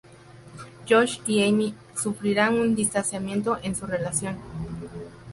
Josh y Amy sufrirán un distanciamiento en su relación.